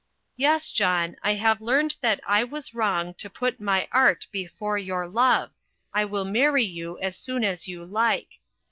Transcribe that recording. "YES, JOHN, I HAVE LEARNED THAT I WAS WRONG TO PUT MY ART BEFORE YOUR LOVE. I WILL MARRY YOU AS SOON AS YOU LIKE."